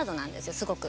すごく。